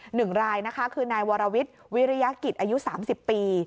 หนึ่งรายคือนายวรวิทย์วิริยากิจอายุ๓๐ปี